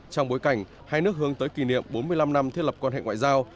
trong bối cảnh hai nước hướng tới kỷ niệm bốn mươi năm năm thiết lập quan hệ ngoại giao